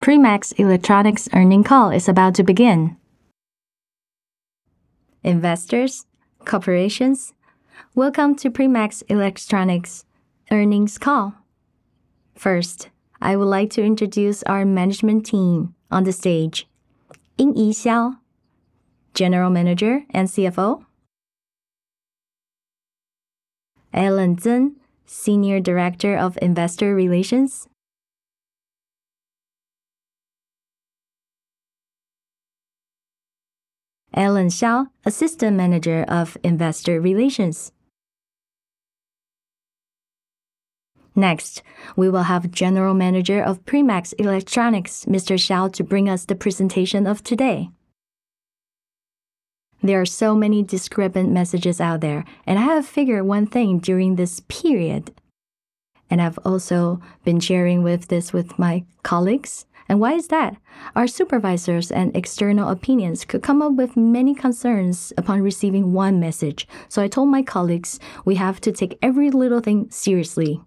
Primax Electronics earnings call is about to begin. Investors, corporations, welcome to Primax Electronics earnings call. I would like to introduce our management team on the stage. Yin-Yi Hsiao, General Manager and CFO. Ellen Tseng, Senior Director of Investor Relations. Ellen Hsiao, Assistant Manager of Investor Relations. We will have General Manager of Primax Electronics, Mr. Hsiao, to bring us the presentation of today. There are so many discrepant messages out there, and I have figured one thing during this period, and I've also been sharing with this with my colleagues. Why is that? Our supervisors and external opinions could come up with many concerns upon receiving one message. I told my colleagues, we have to take every little thing seriously.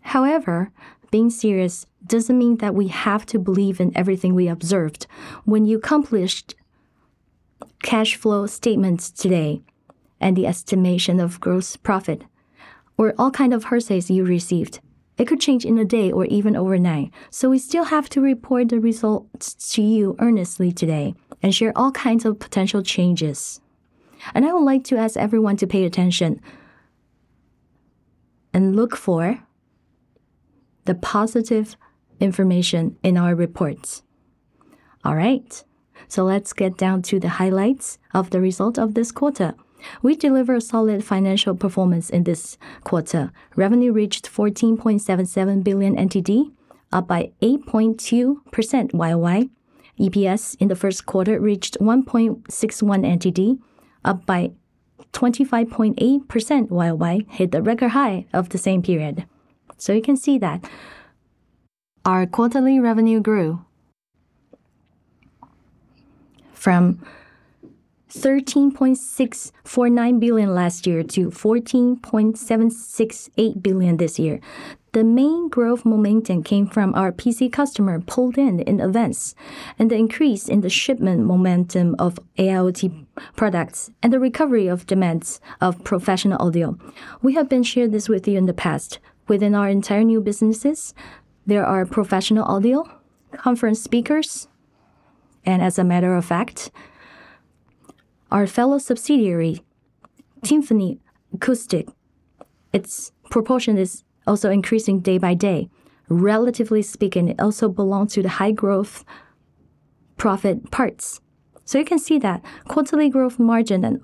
However, being serious doesn't mean that we have to believe in everything we observed. When you accomplished cash flow statements today and the estimation of gross profit or all kind of hearsays you received, it could change in a day or even overnight. We still have to report the results to you earnestly today and share all kinds of potential changes. I would like to ask everyone to pay attention and look for the positive information in our reports. Let's get down to the highlights of the result of this quarter. We deliver a solid financial performance in this quarter. Revenue reached NTD 14.77 billion, up by 8.2% year-over-year. EPS in the first quarter reached NTD 1.61, up by 25.8% year-over-year, hit the record high of the same period. You can see that our quarterly revenue grew from NTD 13.649 billion last year to NTD 14.768 billion this year. The main growth momentum came from our PC customer pulled in in advance and the increase in the shipment momentum of IoT products and the recovery of demands of professional audio. We have been shared this with you in the past. Within our entire new businesses, there are professional audio conference speakers. As a matter of fact, our fellow subsidiary, Tymphany Acoustic, its proportion is also increasing day by day. Relatively speaking, it also belongs to the high gross profit parts. You can see that quarterly gross margin and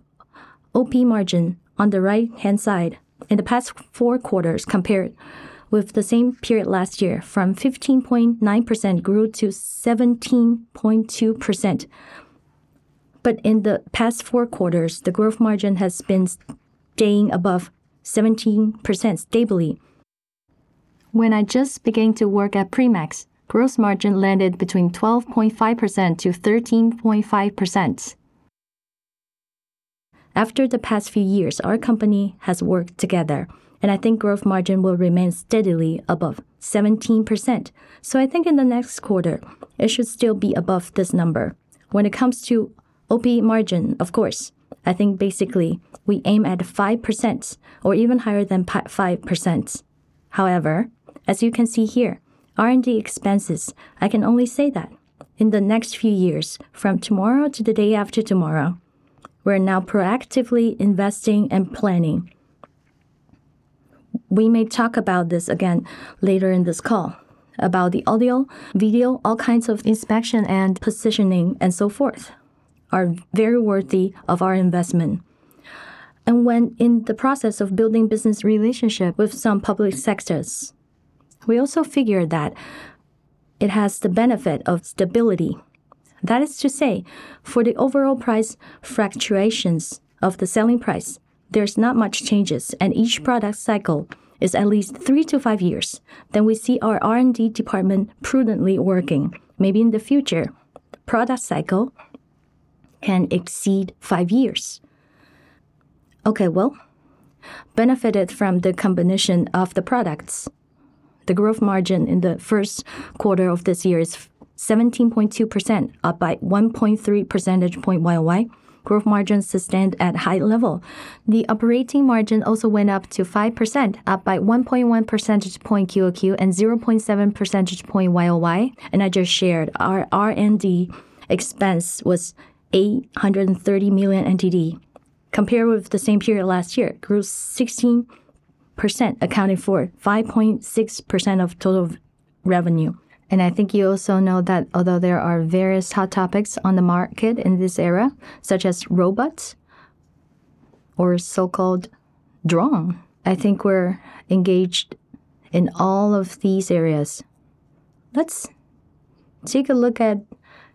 Operating Profit margin on the right-hand side in the past four quarters compared with the same period last year from 15.9% grew to 17.2%. In the past four quarters, the gross margin has been staying above 17% stably. When I just began to work at Primax, gross margin landed between 12.5%-13.5%. After the past few years, our company has worked together, and I think gross margin will remain steadily above 17%. I think in the next quarter, it should still be above this number. When it comes to OP margin, of course, I think basically we aim at 5% or even higher than 5%. As you can see here, R&D expenses, I can only say that in the next few years, from tomorrow to the day after tomorrow, we're now proactively investing and planning. We may talk about this again later in this call about the audio, video, all kinds of inspection and positioning and so forth are very worthy of our investment. When in the process of building business relationship with some public sectors, we also figure that it has the benefit of stability. That is to say, for the overall price fluctuations of the selling price, there's not much changes, and each product cycle is at least three to five years. We see our R&D department prudently working. Maybe in the future, the product cycle can exceed five years. Okay, well, benefited from the combination of the products, the gross margin in the 1st quarter of this year is 17.2%, up by 1.3 percentage point year-over-year. Gross margins to stand at high level. The operating margin also went up to 5%, up by 1.1 percentage point quarter-over-quarter and 0.7 percentage point year-over-year. I just shared our R&D expense was NTD 830 million. Compared with the same period last year, it grew 16%, accounting for 5.6% of total revenue. I think you also know that although there are various hot topics on the market in this era, such as robots or so-called drone, I think we're engaged in all of these areas. Let's take a look at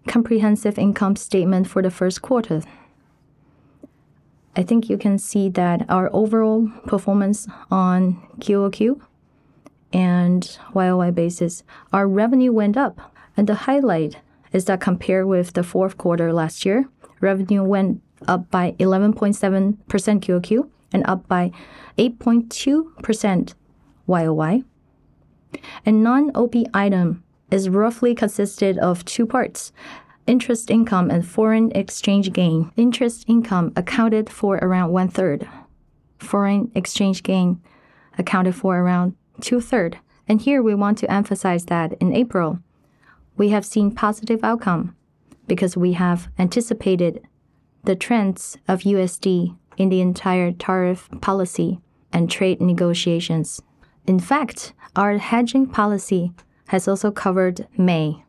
comprehensive income statement for the first quarter. I think you can see that our overall performance on quarter-over-quarter and year-over-year basis, our revenue went up. The highlight is that compared with the fourth quarter last year, revenue went up by 11.7% quarter-over-quarter and up by 8.2% year-over-year. Non-OP item is roughly consisted of two parts: interest income and foreign exchange gain. Interest income accounted for around one-third. Foreign exchange gain accounted for around two-third. Here we want to emphasize that in April, we have seen positive outcome because we have anticipated the trends of USD in the entire tariff policy and trade negotiations. In fact, our hedging policy has also covered May.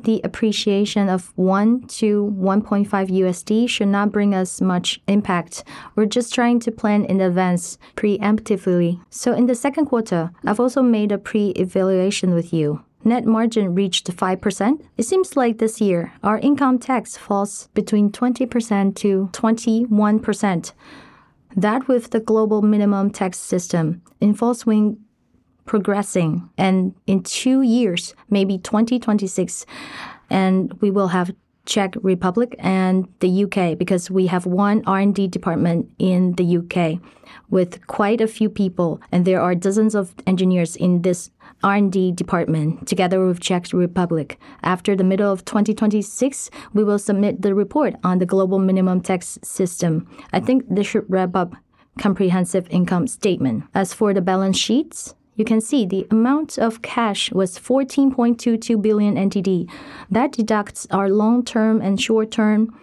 The appreciation of $1-$1.5 should not bring us much impact. We're just trying to plan in advance preemptively. In the second quarter, I've also made a pre-evaluation with you. Net margin reached 5%. It seems like this year our income tax falls between 20%-21%. That with the global minimum tax system in full swing progressing, and in two years, maybe 2026, and we will have Czech Republic and the U.K., because we have one R&D department in the U.K. with quite a few people, and there are dozens of engineers in this R&D department together with Czech Republic. After the middle of 2026, we will submit the report on the global minimum tax system. I think this should wrap up comprehensive income statement. As for the balance sheets, you can see the amount of cash was NTD 14.22 billion. That deducts our long-term and short-term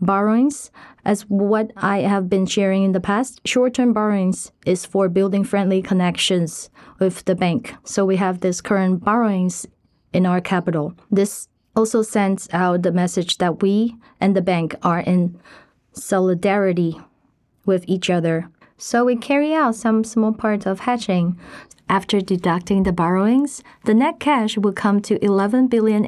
borrowings. As what I have been sharing in the past, short-term borrowings is for building friendly connections with the bank. We have this current borrowings in our capital. This also sends out the message that we and the bank are in solidarity with each other. We carry out some small part of hedging. After deducting the borrowings, the net cash will come to NTD 11 billion.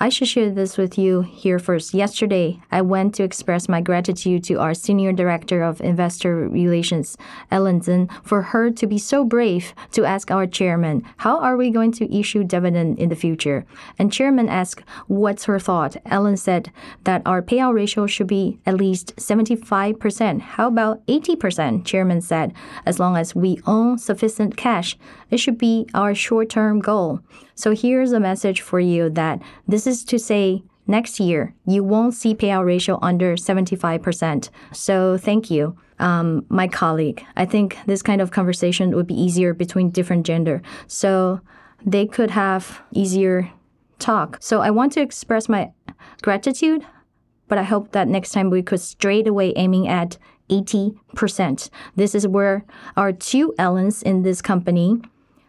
I should share this with you here first. Yesterday, I went to express my gratitude to our Senior Director of Investor Relations, Ellen Tseng, for her to be so brave to ask our Chairman, "How are we going to issue dividend in the future?" Chairman ask, "What's her thought?" Ellen said that our payout ratio should be at least 75%. "How about 80%?" Chairman said, "As long as we own sufficient cash, it should be our short-term goal." Here's a message for you that this is to say, next year, you won't see payout ratio under 75%. Thank you, my colleague. I think this kind of conversation would be easier between different gender, so they could have easier talk. I want to express my gratitude. I hope that next time we could straight away aiming at 80%. This is where our two Ellens in this company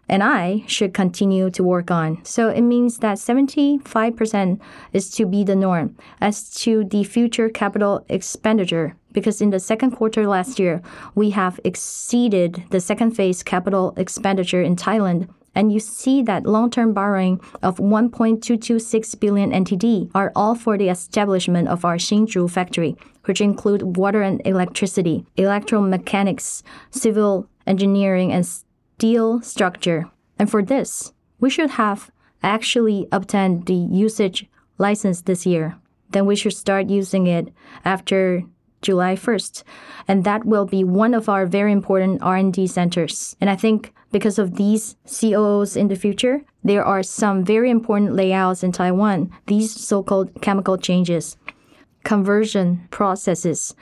and I should continue to work on. It means that 75% is to be the norm. As to the future capital expenditure, because in the 2nd quarter last year, we have exceeded the second phase capital expenditure in Thailand, you see that long-term borrowing of NTD 1.226 billion are all for the establishment of our Hsinchu factory, which include water and electricity, electromechanics, civil engineering, and steel structure. For this, we should have actually obtained the usage license this year. We should start using it after July 1st, and that will be one of our very important R&D centers. I think because of these Chief Operating Officer in the future, there are some very important layouts in Taiwan, these so-called chemical changes, conversion processes.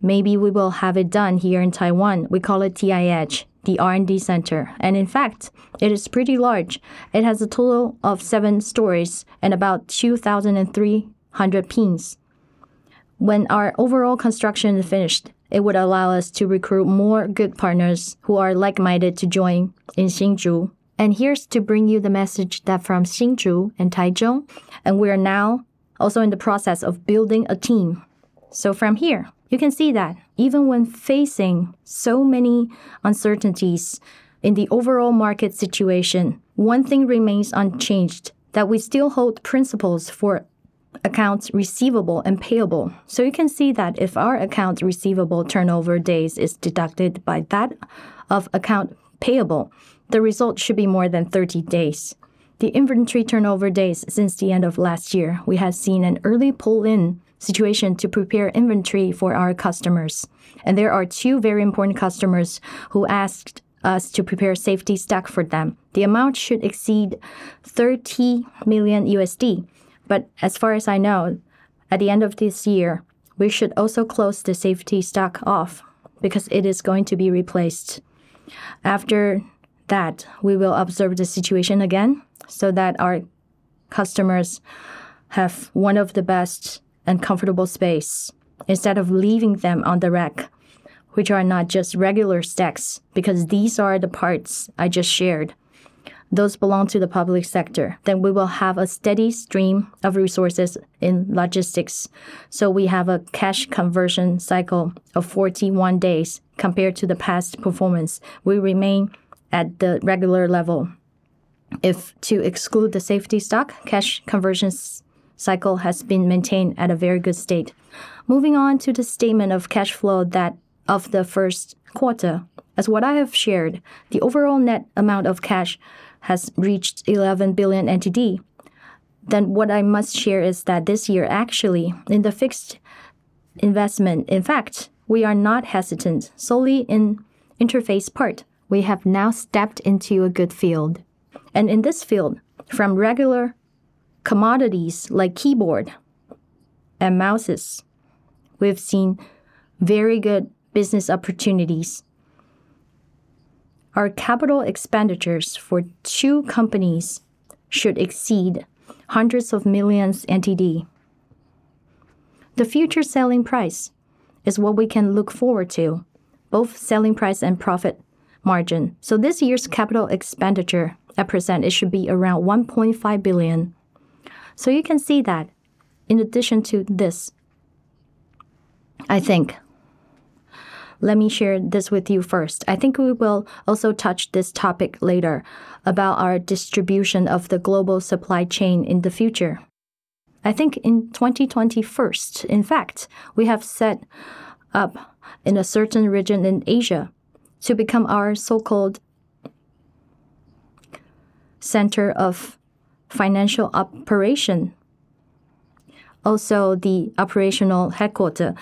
Maybe we will have it done here in Taiwan. We call it TI Edge, the R&D center. In fact, it is pretty large. It has a total of seven stories and about 2,300 pings. When our overall construction is finished, it would allow us to recruit more good partners who are like-minded to join in Hsinchu. Here's to bring you the message that from Hsinchu and Taichung, and we are now also in the process of building a team. From here, you can see that even when facing so many uncertainties in the overall market situation, one thing remains unchanged, that we still hold principles for accounts receivable and payable. You can see that if our accounts receivable turnover days is deducted by that of account payable, the result should be more than 30 days. The inventory turnover days since the end of last year, we have seen an early pull-in situation to prepare inventory for our customers. There are two very important customers who asked us to prepare safety stock for them. The amount should exceed $30 million. As far as I know, at the end of this year, we should also close the safety stock off because it is going to be replaced. After that, we will observe the situation again so that our customers have one of the best and comfortable space instead of leaving them on the rack, which are not just regular stacks, because these are the parts I just shared. Those belong to the public sector. We will have a steady stream of resources in logistics. We have a cash conversion cycle of 41 days compared to the past performance. We remain at the regular level. If to exclude the safety stock, cash conversion cycle has been maintained at a very good state. Moving on to the statement of cash flow that of the first quarter. As what I have shared, the overall net amount of cash has reached NTD 11 billion. What I must share is that this year, actually, in the fixed investment, in fact, we are not hesitant solely in interface part. We have now stepped into a good field. In this field, from regular commodities like keyboard and mice, we've seen very good business opportunities. Our capital expenditures for two companies should exceed hundreds of millions NTD. The future selling price is what we can look forward to, both selling price and profit margin. This year's capital expenditure at present, it should be around NTD 1.5 billion. You can see that in addition to this, let me share this with you first. We will also touch this topic later about our distribution of the global supply chain in the future. In 2021, in fact, we have set up in a certain region in Asia to become our so-called center of financial operation, also the operational headquarter,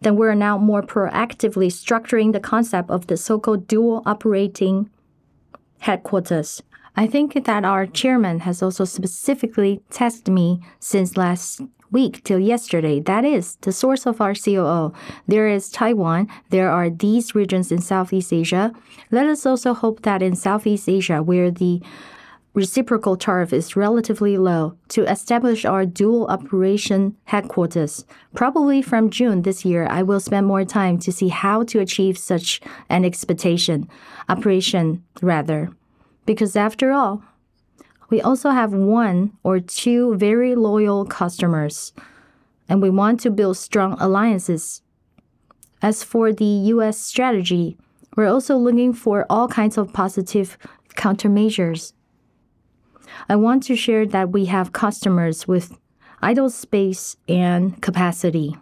that we're now more proactively structuring the concept of the so-called dual operating headquarters. I think that our chairman has also specifically tasked me since last week till yesterday. That is the source of our COO. There is Taiwan. There are these regions in Southeast Asia. Let us also hope that in Southeast Asia, where the reciprocal tariff is relatively low, to establish our dual operation headquarters. Probably from June this year, I will spend more time to see how to achieve such an expectation, operation, rather. After all, we also have one or two very loyal customers, and we want to build strong alliances. As for the U.S. strategy, we're also looking for all kinds of positive countermeasures. I want to share that we have customers with idle space and capacity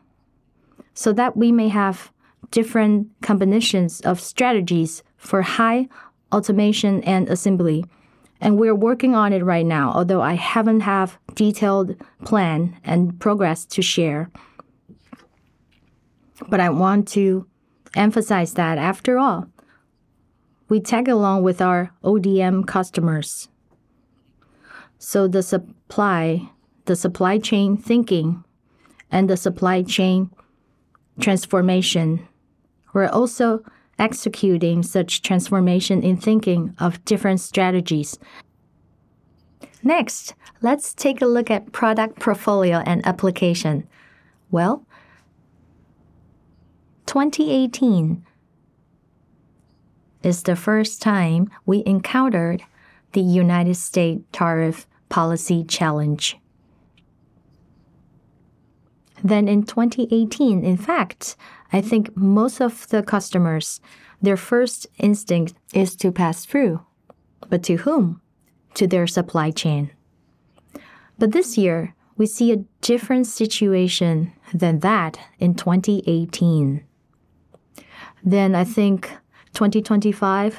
so that we may have different combinations of strategies for high automation and assembly. We're working on it right now, although I haven't had detailed plan and progress to share. I want to emphasize that after all, we tag along with our Original Design Manufacturer customers. The supply chain thinking, and the supply chain transformation, we're also executing such transformation in thinking of different strategies. Next, let's take a look at product portfolio and application. Well, 2018 is the first time we encountered the United States tariff policy challenge. In 2018, in fact, I think most of the customers, their first instinct is to pass through, but to whom? To their supply chain. This year, we see a different situation than that in 2018. I think 2025,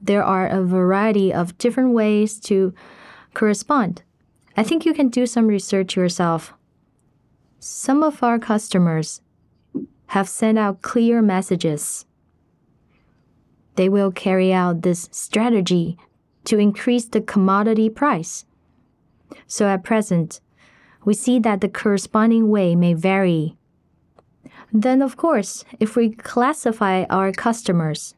there are a variety of different ways to correspond. I think you can do some research yourself. Some of our customers have sent out clear messages. They will carry out this strategy to increase the commodity price. At present, we see that the corresponding way may vary. Of course, if we classify our customers,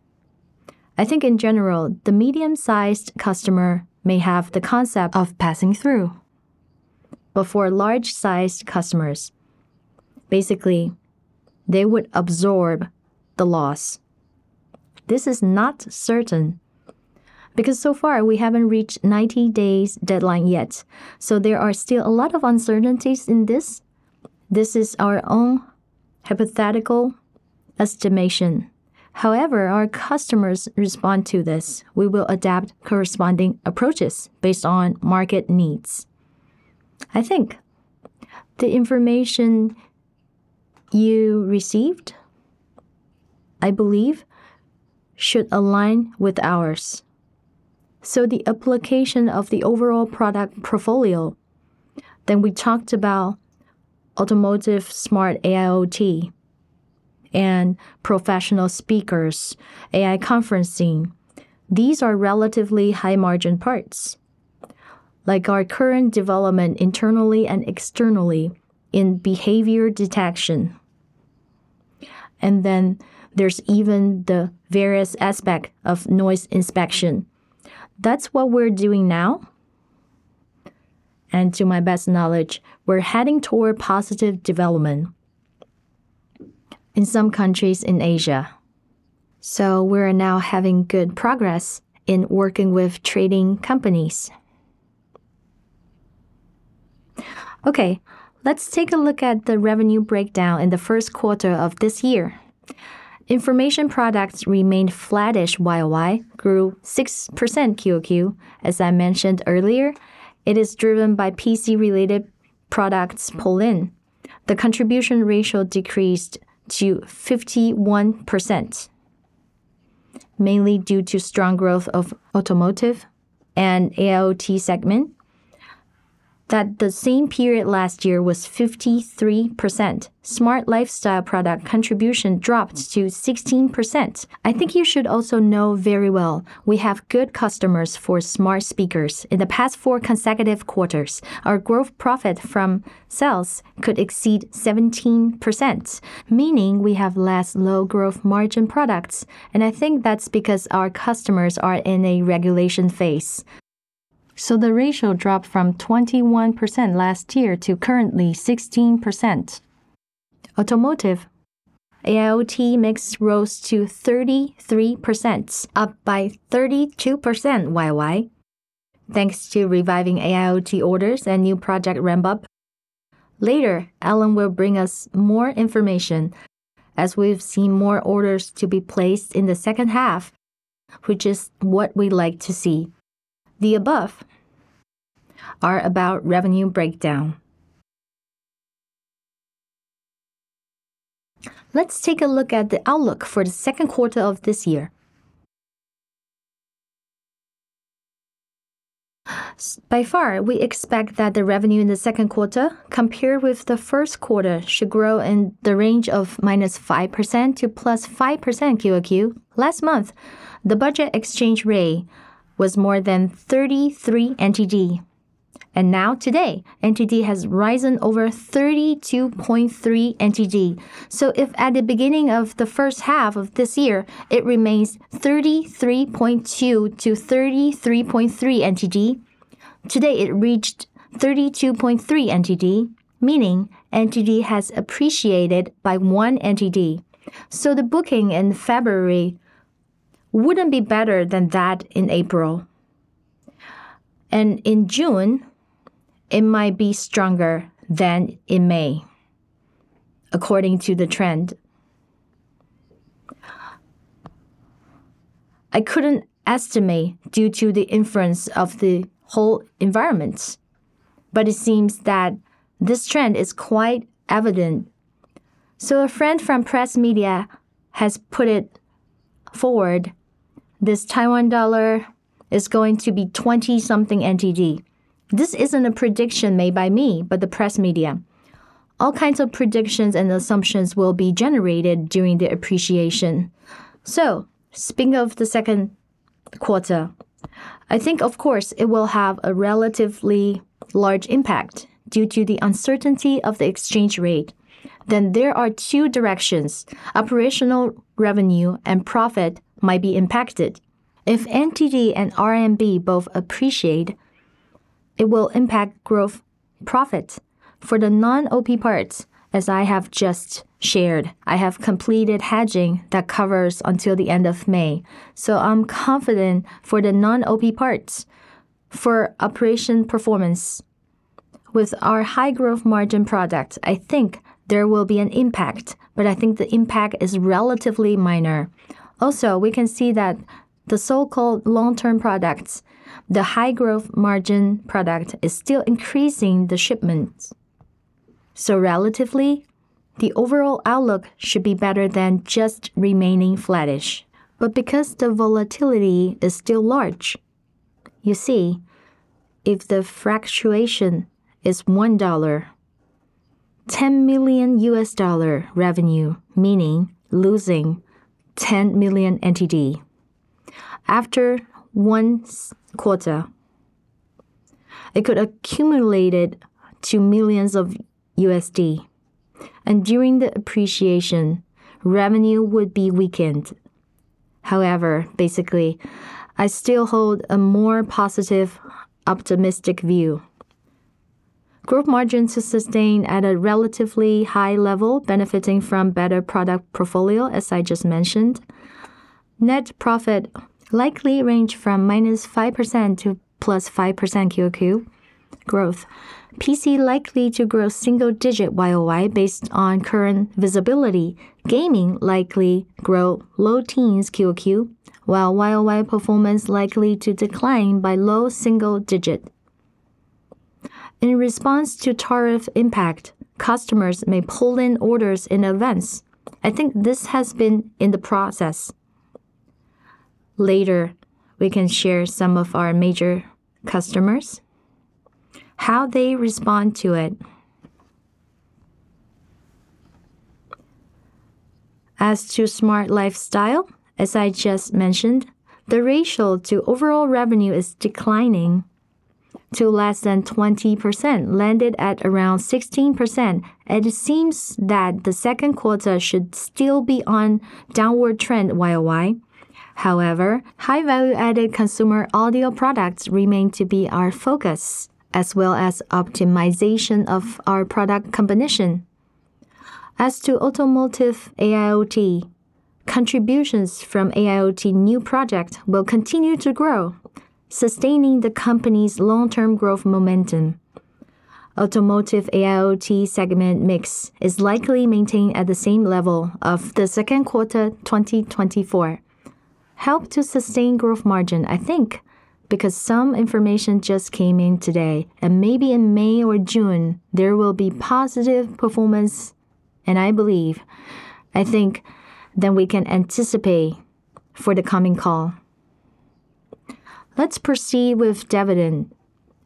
I think in general, the medium-sized customer may have the concept of passing through. For large-sized customers, basically, they would absorb the loss. This is not certain, because so far, we haven't reached 90 days deadline yet. There are still a lot of uncertainties in this. This is our own hypothetical estimation. However our customers respond to this, we will adapt corresponding approaches based on market needs. I think the information you received, I believe, should align with ours. The application of the overall product portfolio, we talked about Automotive smart AIoT and professional speakers, AI conferencing. These are relatively high margin parts, like our current development internally and externally in behavior detection. There's even the various aspect of noise inspection. That's what we're doing now. To my best knowledge, we're heading toward positive development in some countries in Asia. We're now having good progress in working with trading companies. Okay, let's take a look at the revenue breakdown in the first quarter of this year. Information products remained flattish year-over-year, grew 6% quarter-over-quarter. As I mentioned earlier, it is driven by PC related products pull-in. The contribution ratio decreased to 51%, mainly due to strong growth of Automotive and AIoT segment, that the same period last year was 53%. Smart lifestyle product contribution dropped to 16%. I think you should also know very well we have good customers for smart speakers. In the past four consecutive quarters, our gross profit from sales could exceed 17%, meaning we have less low gross margin products. I think that's because our customers are in a regulation phase. The ratio dropped from 21% last year to currently 16%. Automotive AIoT mix rose to 33%, up by 32% year-over-year. Thanks to reviving AIoT orders and new project ramp-up. Later, Ellen will bring us more information as we've seen more orders to be placed in the 2nd half, which is what we like to see. The above are about revenue breakdown. Let's take a look at the outlook for the 2nd quarter of this year. By far, we expect that the revenue in the 2nd quarter, compared with the 1st quarter, should grow in the range of -5% to +5% quarter-over-quarter. Last month, the budget exchange rate was more than NTD 33, and now today, NTD has risen over NTD 32.3. If at the beginning of the first half of this year, it remains NTD 33.2-NTD 33.3, today it reached NTD 32.3, meaning NTD has appreciated by NTD 1. The booking in February wouldn't be better than that in April. In June, it might be stronger than in May, according to the trend. I couldn't estimate due to the influence of the whole environment, but it seems that this trend is quite evident. A friend from press media has put it forward, this Taiwan dollar is going to be NTD 20-something. This isn't a prediction made by me, but the press media. All kinds of predictions and assumptions will be generated during the appreciation. Speaking of the second quarter, I think of course it will have a relatively large impact due to the uncertainty of the exchange rate. There are two directions: operational revenue and profit might be impacted. If NTD and RMB both appreciate, it will impact gross profits. For the non-OP parts, as I have just shared, I have completed hedging that covers until the end of May. I'm confident for the non-OP parts for operation performance. With our high gross margin products, I think there will be an impact, but I think the impact is relatively minor. We can see that the so-called long-term products, the high gross margin product is still increasing the shipments. Relatively, the overall outlook should be better than just remaining flattish. Because the volatility is still large, you see, if the fluctuation is $1, $10 million revenue, meaning losing NTD 10 million. After one quarter, it could accumulated to millions of USD, and during the appreciation, revenue would be weakened. I still hold a more positive, optimistic view. Operating Margin to sustain at a relatively high level, benefiting from better product portfolio, as I just mentioned. Net profit likely range from -5% to +5% quarter-over-quarter growth. PC likely to grow single digit year-over-year based on current visibility. Gaming likely grow low teens quarter-over-quarter, while year-over-year performance likely to decline by low single digit. In response to tariff impact, customers may pull in orders in advance. I think this has been in the process. Later, we can share some of our major customers, how they respond to it. As to smart lifestyle, as I just mentioned, the ratio to overall revenue is declining to less than 20%, landed at around 16%. It seems that the second quarter should still be on downward trend year-over-year. High value-added consumer audio products remain to be our focus, as well as optimization of our product combination. Automotive AIoT, contributions from AIoT new project will continue to grow, sustaining the company's long-term growth momentum. Automotive AIoT segment mix is likely maintained at the same level of the second quarter 2024. Help to sustain Operating Margin, I think because some information just came in today, and maybe in May or June there will be positive performance, and I believe, I think then we can anticipate for the coming call. Let's proceed with dividend.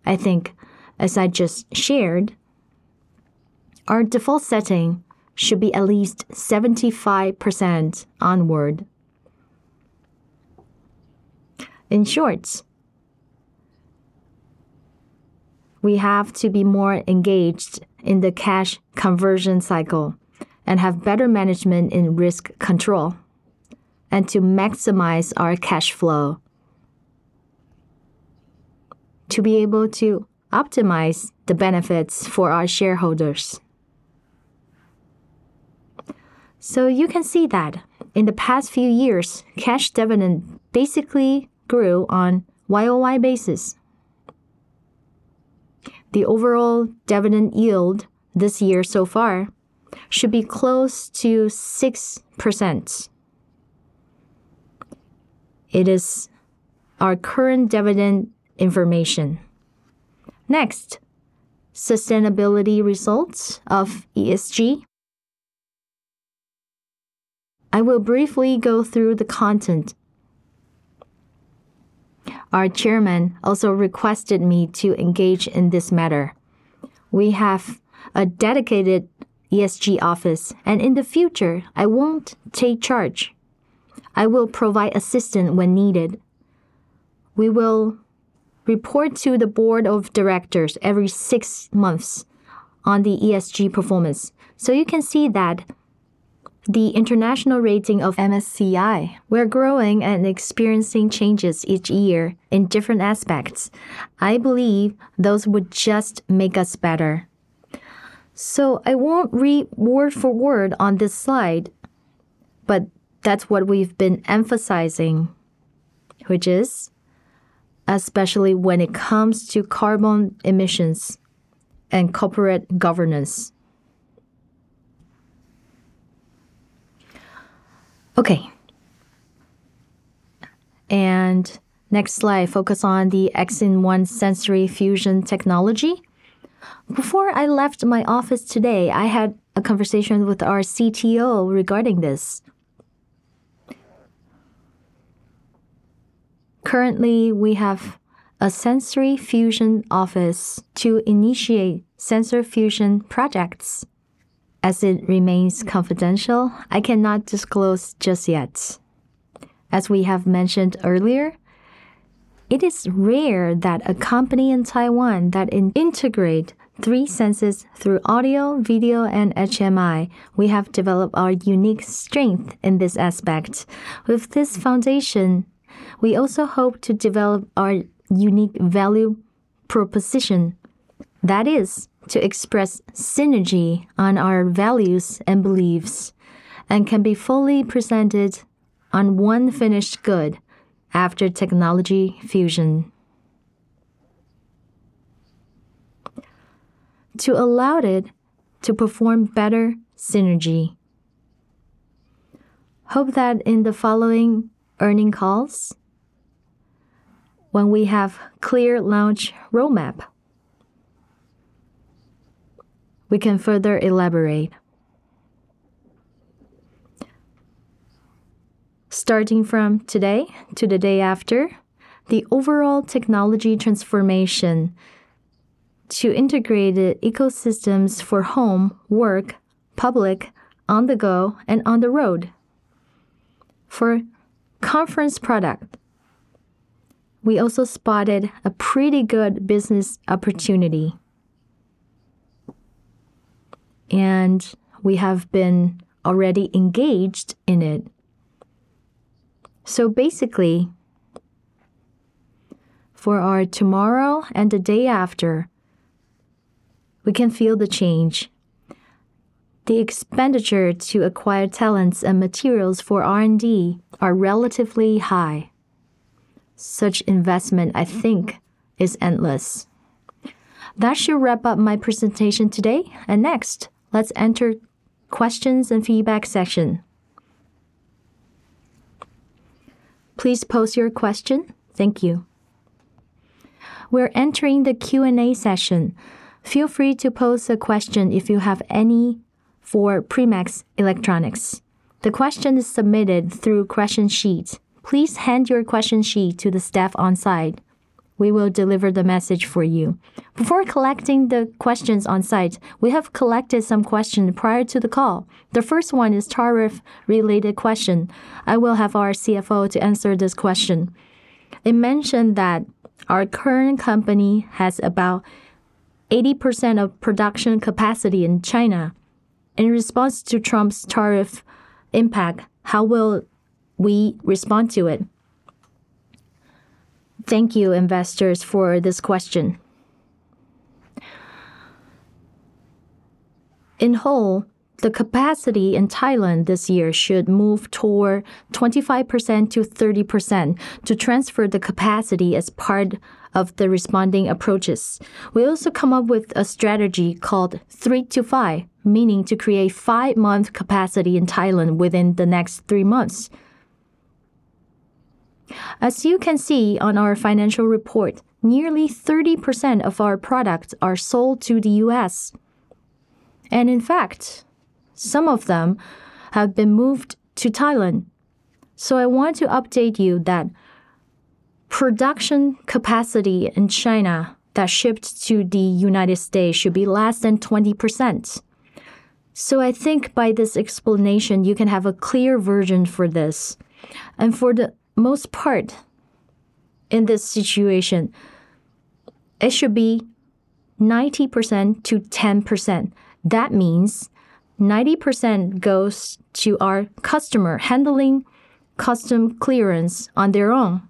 I think as I just shared, our default setting should be at least 75% onward. In short, we have to be more engaged in the cash conversion cycle and have better management in risk control and to maximize our cash flow to be able to optimize the benefits for our shareholders. You can see that in the past few years, cash dividend basically grew on year-over-year basis. The overall dividend yield this year so far should be close to 6%. It is our current dividend information. Sustainability results of Environmental, Social, and Governance. I will briefly go through the content. Our chairman also requested me to engage in this matter. We have a dedicated ESG office, and in the future, I won't take charge. I will provide assistance when needed. We will report to the board of directors every six months on the ESG performance. You can see that the international rating of MSCI, we're growing and experiencing changes each year in different aspects. I believe those would just make us better. I won't read word for word on this slide, but that's what we've been emphasizing, which is especially when it comes to carbon emissions and corporate governance. Okay. Next slide focus on the X-IN-1 Sensory Fusion Technology. Before I left my office today, I had a conversation with our Chief Technology Officer regarding this. Currently, we have a sensory fusion office to initiate sensor fusion projects. As it remains confidential, I cannot disclose just yet. As we have mentioned earlier, it is rare that a company in Taiwan that integrate three senses through audio, video, and Human-Machine Interface. We have developed our unique strength in this aspect. With this foundation, we also hope to develop our unique value proposition. That is to express synergy on our values and beliefs, and can be fully presented on one finished good after technology fusion to allow it to perform better synergy. Hope that in the following earning calls, when we have clear launch roadmap, we can further elaborate. Starting from today to the day after, the overall technology transformation to integrated ecosystems for home, work, public, on the go, and on the road. For conference product, we also spotted a pretty good business opportunity, and we have been already engaged in it. Basically, for our tomorrow and the day after, we can feel the change. The expenditure to acquire talents and materials for R&D are relatively high. Such investment, I think, is endless. That should wrap up my presentation today, and next, let's enter questions and feedback section. Please pose your question. Thank you. We're entering the Q&A session. Feel free to pose a question if you have any for Primax Electronics. The question is submitted through question sheet. Please hand your question sheet to the staff on site. We will deliver the message for you. Before collecting the questions on site, we have collected some questions prior to the call. The first one is tariff related question. I will have our CFO to answer this question. It mentioned that our current company has about 80% of production capacity in China. In response to Trump's tariff impact, how will we respond to it? Thank you, investors, for this question. In whole, the capacity in Thailand this year should move toward 25%-30% to transfer the capacity as part of the responding approaches. We also come up with a strategy called three-to-five, meaning to create five-month capacity in Thailand within the next three months. As you can see on our financial report, nearly 30% of our products are sold to the U.S. In fact, some of them have been moved to Thailand. I want to update you that production capacity in China that ships to the United States should be less than 20%. I think by this explanation, you can have a clear version for this. For the most part in this situation, it should be 90%-10%. That means 90% goes to our customer handling custom clearance on their own,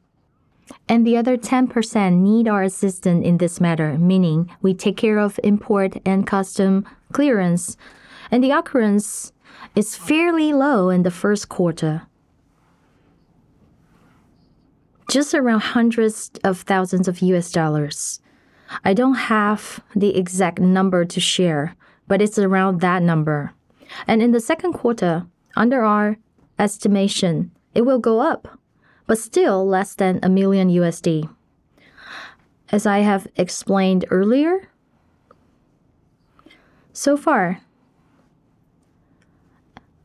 and the other 10% need our assistance in this matter, meaning we take care of import and custom clearance. The occurrence is fairly low in the first quarter, just around hundreds of thousands of USD. I don't have the exact number to share, but it's around that number. In the second quarter, under our estimation, it will go up, but still less than $1 million. As I have explained earlier, so far,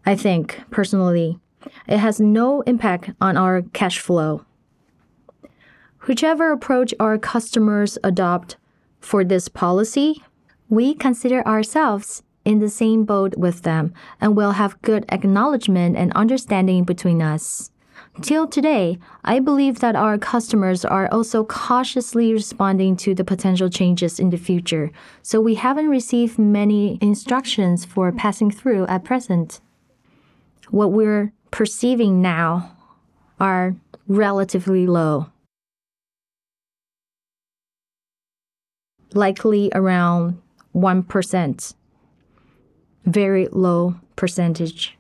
I think personally it has no impact on our cash flow. Whichever approach our customers adopt for this policy, we consider ourselves in the same boat with them and will have good acknowledgment and understanding between us. Till today, I believe that our customers are also cautiously responding to the potential changes in the future. We haven't received many instructions for passing through at present. What we're perceiving now are relatively low, likely around 1%, very low percentage.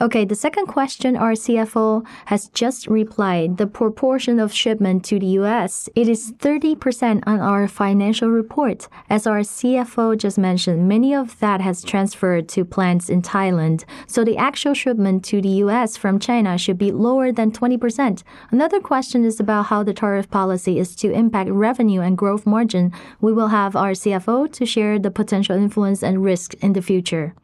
Okay. The second question our CFO has just replied, the proportion of shipment to the U.S., it is 30% on our financial report. As our CFO just mentioned, many of that has transferred to plants in Thailand. The actual shipment to the U.S. from China should be lower than 20%. Another question is about how the tariff policy is to impact revenue and Operating Margin. We will have our CFO to share the potential influence and risk in the future.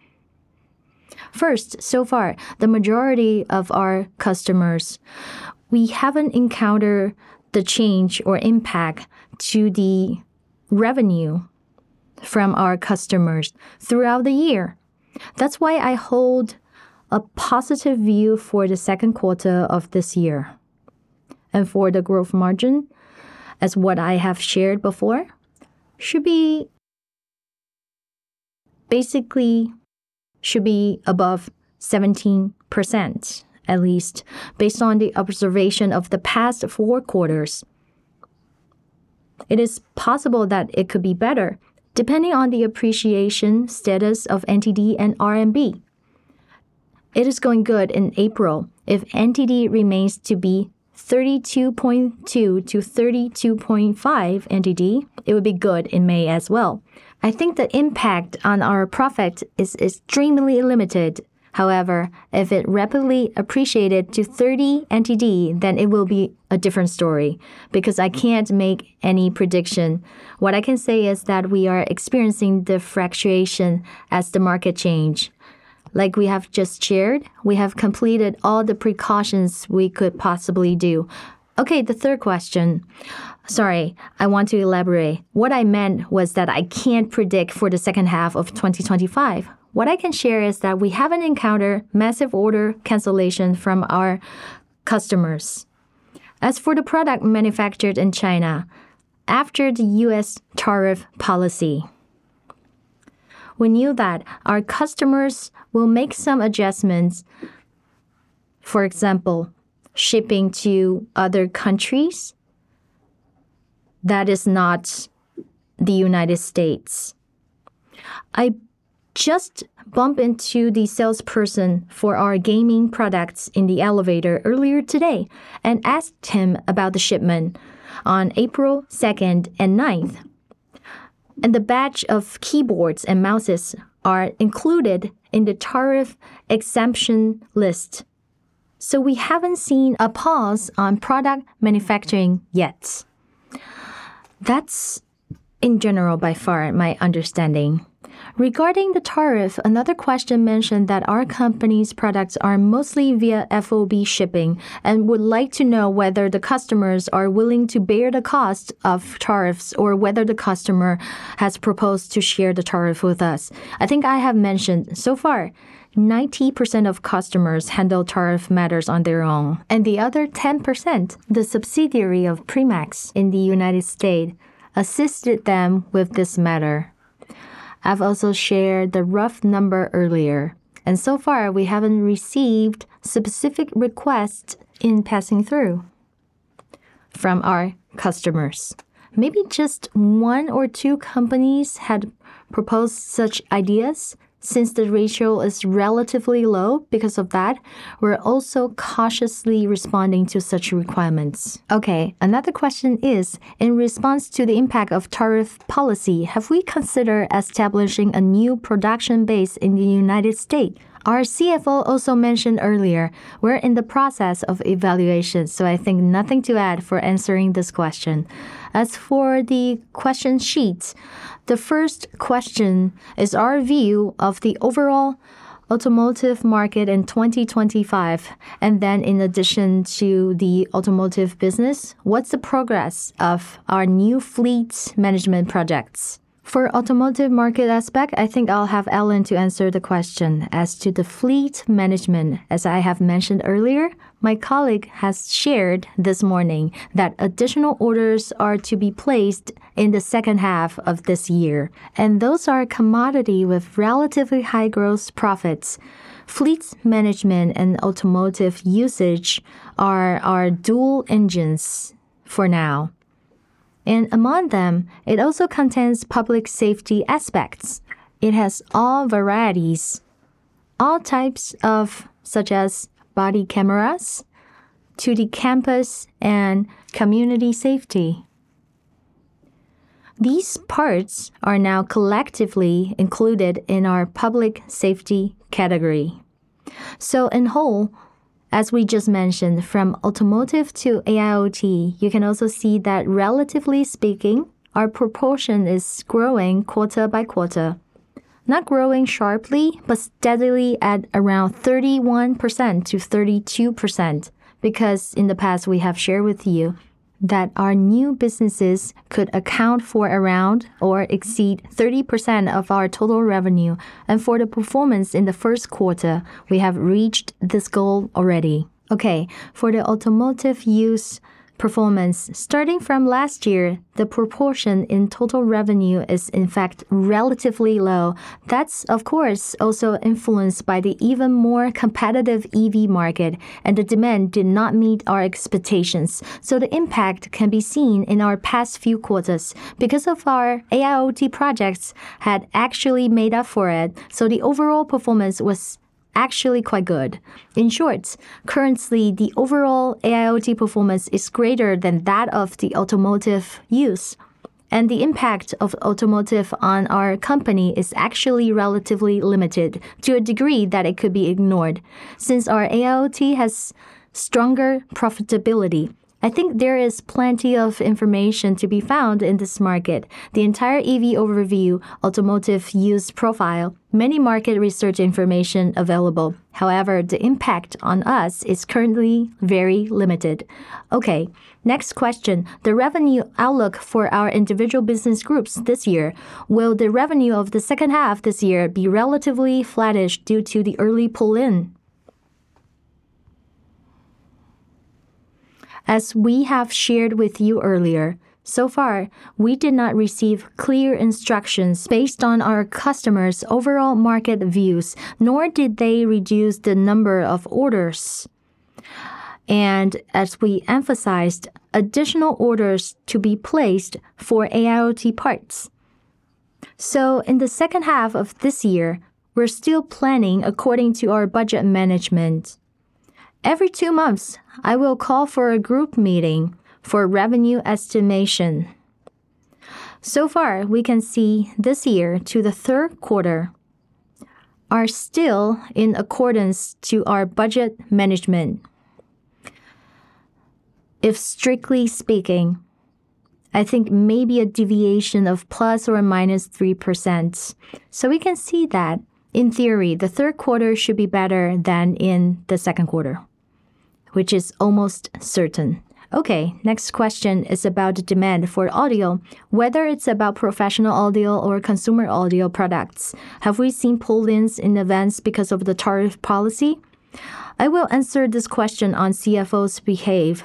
First, so far, the majority of our customers, we haven't encountered the change or impact to the revenue from our customers throughout the year. That's why I hold a positive view for the second quarter of this year. For the Operating Margin, as what I have shared before, should be basically above 17% at least based on the observation of the past four quarters. It is possible that it could be better depending on the appreciation status of NTD and RMB. It is going good in April. If NTD remains to be NTD 32.2-NTD 32.5, it would be good in May as well. I think the impact on our profit is extremely limited. However, if it rapidly appreciated to NTD 30, then it will be a different story because I can't make any prediction. What I can say is that we are experiencing the fluctuation as the market change. Like we have just shared, we have completed all the precautions we could possibly do. Okay. The third question. Sorry, I want to elaborate. What I meant was that I can't predict for the second half of 2025. What I can share is that we haven't encountered massive order cancellation from our customers. As for the product manufactured in China, after the U.S. tariff policy, we knew that our customers will make some adjustments. For example, shipping to other countries that is not the U.S. I just bumped into the salesperson for our gaming products in the elevator earlier today and asked him about the shipment on April 2nd and April 9th. The batch of keyboards and mouses are included in the tariff exemption list, so we haven't seen a pause on product manufacturing yet. That's in general by far my understanding. Regarding the tariff, another question mentioned that our company's products are mostly via Free on Board shipping and would like to know whether the customers are willing to bear the cost of tariffs or whether the customer has proposed to share the tariff with us. I think I have mentioned so far, 90% of customers handle tariff matters on their own, and the other 10%, the subsidiary of Primax in the U.S. assisted them with this matter. I've also shared the rough number earlier. So far, we haven't received specific requests in passing through from our customers. Maybe just one or two companies had proposed such ideas since the ratio is relatively low. Because of that, we're also cautiously responding to such requirements. Another question is, in response to the impact of tariff policy, have we considered establishing a new production base in the U.S.? Our CFO also mentioned earlier, we're in the process of evaluation. I think nothing to add for answering this question. As for the question sheets, the first question is our view of the overall automotive market in 2025. In addition to the automotive business, what's the progress of our new fleet management projects? For automotive market aspect, I think I'll have Ellen to answer the question. As to the fleet management, as I have mentioned earlier, my colleague has shared this morning that additional orders are to be placed in the second half of this year. Those are commodity with relatively high gross profits. Fleet management and automotive usage are our dual engines for now. Among them, it also contains public safety aspects. It has all varieties, all types of such as body cameras to the campus and community safety. These parts are now collectively included in our public safety category. In whole, as we just mentioned, from Automotive to AIoT, you can also see that relatively speaking, our proportion is growing quarter-by-quarter. Not growing sharply, but steadily at around 31%-32%, because in the past we have shared with you that our new businesses could account for around or exceed 30% of our total revenue. For the performance in the first quarter, we have reached this goal already. Okay, for the automotive use performance, starting from last year, the proportion in total revenue is in fact relatively low. That's of course also influenced by the even more competitive EV market and the demand did not meet our expectations. The impact can be seen in our past few quarters. Because of our AIoT projects had actually made up for it, the overall performance was actually quite good. In short, currently the overall AIoT performance is greater than that of the automotive use, and the impact of Automotive on our company is actually relatively limited to a degree that it could be ignored since our AIoT has stronger profitability. I think there is plenty of information to be found in this market. The entire EV overview, Automotive use profile, many market research information available. However, the impact on us is currently very limited. Next question. The revenue outlook for our individual business groups this year. Will the revenue of the second half this year be relatively flattish due to the early pull-in? We have shared with you earlier, so far we did not receive clear instructions based on our customers' overall market views, nor did they reduce the number of orders. As we emphasized, additional orders to be placed for AIoT parts. In the second half of this year, we're still planning according to our budget management. Every two months, I will call for a group meeting for revenue estimation. So far, we can see this year to the third quarter are still in accordance to our budget management. If strictly speaking, I think maybe a deviation of ±3%. We can see that in theory, the 3rd quarter should be better than in the 2nd quarter, which is almost certain. Next question is about the demand for audio. Whether it's about professional audio or consumer audio products, have we seen pull-ins in events because of the tariff policy? I will answer this question on CFO's behalf.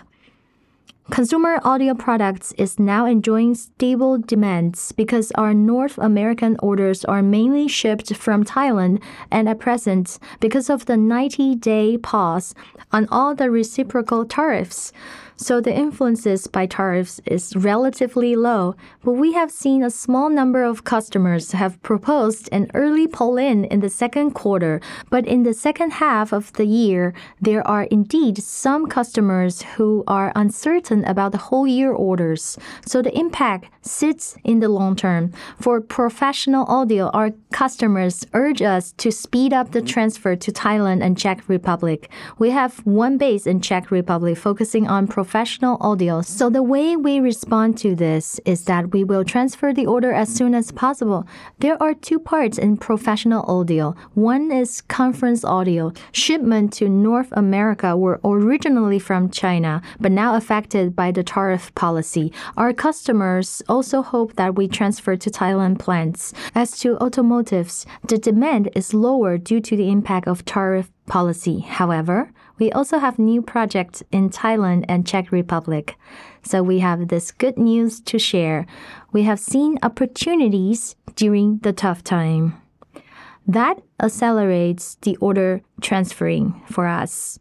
Consumer audio products is now enjoying stable demands because our North American orders are mainly shipped from Thailand and at present, because of the 90-day pause on all the reciprocal tariffs. The influences by tariffs is relatively low, but we have seen a small number of customers have proposed an early pull-in in the 2nd quarter. In the 2nd half of the year, there are indeed some customers who are uncertain about the whole year orders. The impact sits in the long term. For professional audio, our customers urge us to speed up the transfer to Thailand and Czech Republic. We have one base in Czech Republic focusing on professional audio. The way we respond to this is that we will transfer the order as soon as possible. There are two parts in professional audio. One is conference audio. Shipment to North America were originally from China, but now affected by the tariff policy. Our customers also hope that we transfer to Thailand plants. As to Automotives, the demand is lower due to the impact of tariff policy. We also have new projects in Thailand and Czech Republic. We have this good news to share. We have seen opportunities during the tough time. That accelerates the order transferring for us.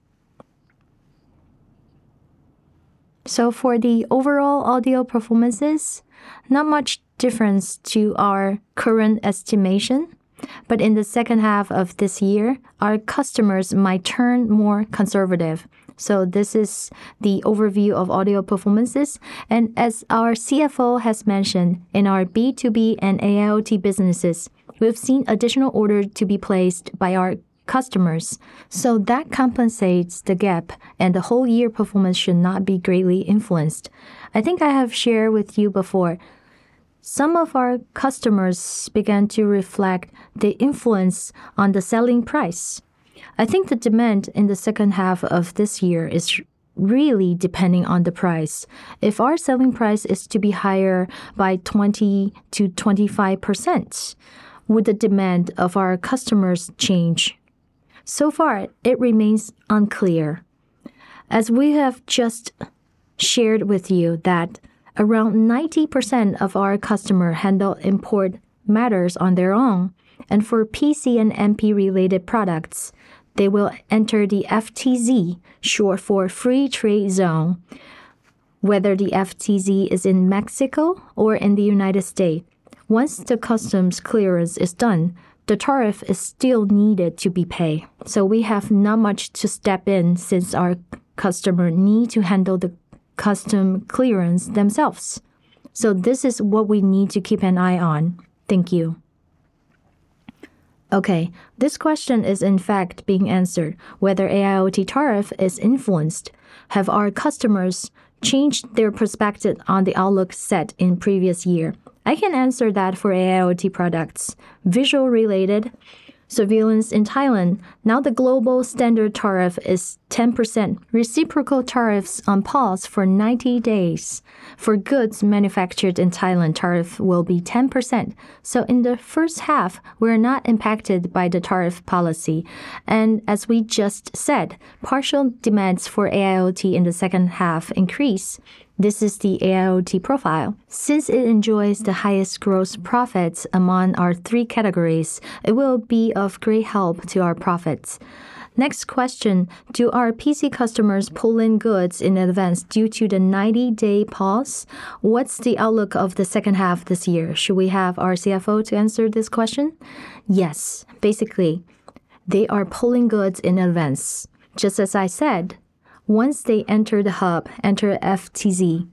For the overall audio performances, not much difference to our current estimation.I In the second half of this year, our customers might turn more conservative. This is the overview of audio performances. as our CFO has mentioned, in our B2B and AIoT businesses, we've seen additional order to be placed by our customers, so that compensates the gap, and the whole year performance should not be greatly influenced. I think I have shared with you before, some of our customers began to reflect the influence on the selling price. I think the demand in the second half of this year is really depending on the price. If our selling price is to be higher by 20%-25%, would the demand of our customers change? So far, it remains unclear. As we have just shared with you that around 90% of our customer handle import matters on their own, for PC and MP-related products, they will enter the FTZ, short for Free Trade Zone, whether the FTZ is in Mexico or in the U.S. Once the customs clearance is done, the tariff is still needed to be paid, we have not much to step in since our customer need to handle the customs clearance themselves. This is what we need to keep an eye on. Thank you. Okay. This question is, in fact, being answered, whether AIoT tariff is influenced. Have our customers changed their perspective on the outlook set in previous year? I can answer that for AIoT products. Visual-related surveillance in Thailand, now the global standard tariff is 10%. Reciprocal tariffs on pause for 90 days. For goods manufactured in Thailand, tariff will be 10%. In the first half, we're not impacted by the tariff policy. As we just said, partial demands for AIoT in the second half increase. This is the AIoT profile. Since it enjoys the highest gross profits among our 3 categories, it will be of great help to our profits. Next question: Do our PC customers pull in goods in advance due to the 90-day pause? What's the outlook of the second half this year? Should we have our CFO to answer this question? Yes. Basically, they are pulling goods in advance. Just as I said, once they enter the hub, enter FTZ.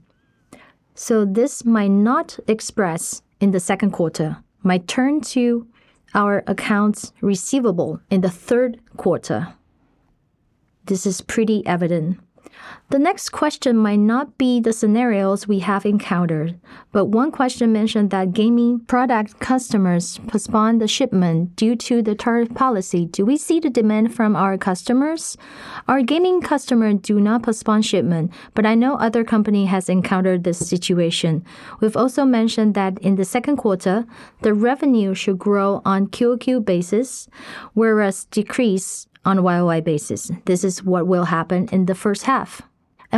This might not express in the second quarter, might turn to our accounts receivable in the third quarter. This is pretty evident. The next question might not be the scenarios we have encountered, but one question mentioned that gaming product customers postponed the shipment due to the tariff policy. Do we see the demand from our customers? Our gaming customer do not postpone shipment, but I know other company has encountered this situation. We've also mentioned that in the second quarter, the revenue should grow on quarter-over-quarter basis, whereas decrease on year-over-year basis. This is what will happen in the first half.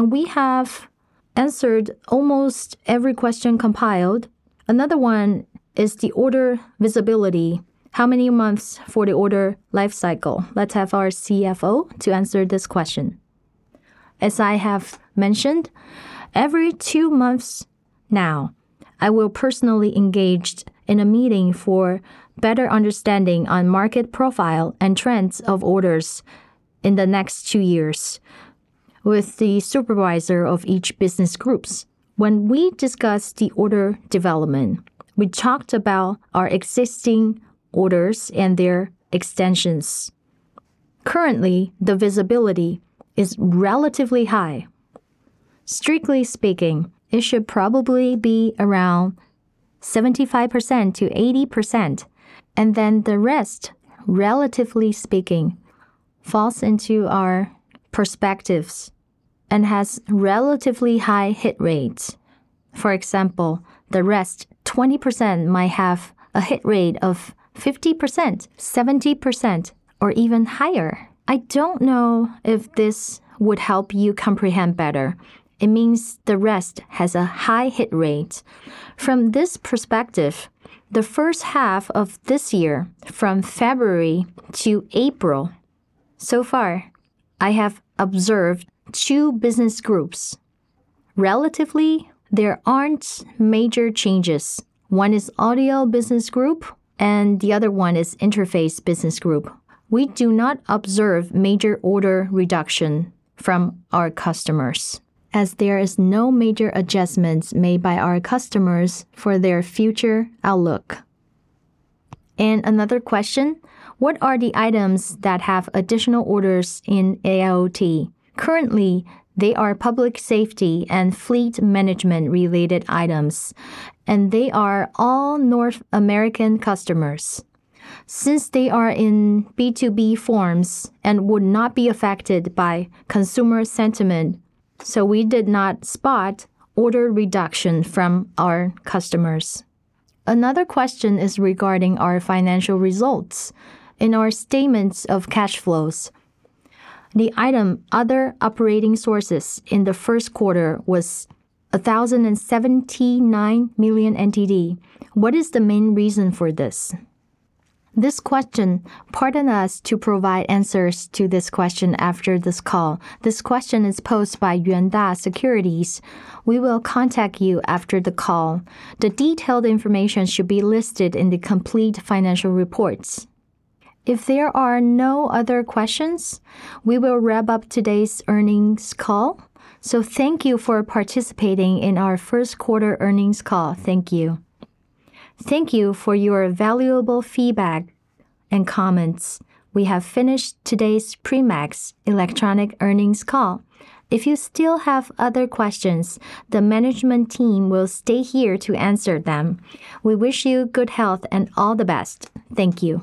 We have answered almost every question compiled. Another one is the order visibility. How many months for the order life cycle? Let's have our CFO to answer this question. As I have mentioned, every two months now, I will personally engaged in a meeting for better understanding on market profile and trends of orders in the next two years with the supervisor of each business groups. When we discussed the order development, we talked about our existing orders and their extensions. Currently, the visibility is relatively high. Strictly speaking, it should probably be around 75%-80%, and then the rest, relatively speaking, falls into our perspectives and has relatively high hit rates. For example, the rest, 20%, might have a hit rate of 50%, 70%, or even higher. I don't know if this would help you comprehend better. It means the rest has a high hit rate. From this perspective, the first half of this year, from February to April, so far, I have observed two business groups. Relatively, there aren't major changes. One is audio business group, and the other one is interface business group. We do not observe major order reduction from our customers, as there is no major adjustments made by our customers for their future outlook. Another question: What are the items that have additional orders in AIoT? Currently, they are public safety and fleet management related items, they are all North American customers. Since they are in B2B forms and would not be affected by consumer sentiment, we did not spot order reduction from our customers. Another question is regarding our financial results. In our statements of cash flows, the item, other operating sources, in the first quarter was NTD 1,079 million. What is the main reason for this? This question, pardon us to provide answers to this question after this call. This question is posed by Yuanta Securities. We will contact you after the call. The detailed information should be listed in the complete financial reports. If there are no other questions, we will wrap up today's earnings call. Thank you for participating in our first quarter earnings call. Thank you. Thank you for your valuable feedback and comments. We have finished today's Primax Electronics earnings call. If you still have other questions, the management team will stay here to answer them. We wish you good health and all the best. Thank you.